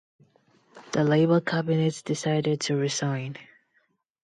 The Labour Cabinet decided to resign.